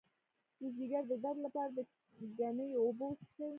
د ځیګر د درد لپاره د ګنیو اوبه وڅښئ